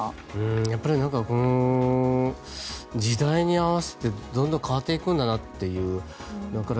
やっぱり時代に合わせてどんどん変わっていくんだなという。